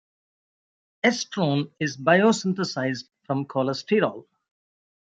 Estrone is biosynthesized from cholesterol.